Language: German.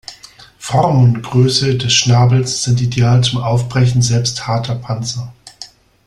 Form und Größe des Schnabels sind ideal zum Aufbrechen selbst harter Panzer.